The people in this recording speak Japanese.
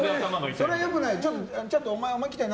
それは良くないな。